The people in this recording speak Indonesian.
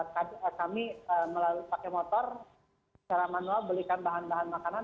kami melalui pakai motor secara manual belikan bahan bahan makanan